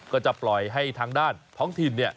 ก็จะปล่อยให้ทางด้านท้องถิ่น